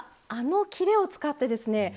あのきれを使ってですね